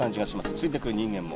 ついていく人間も。